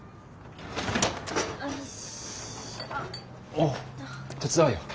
おっ手伝うよ。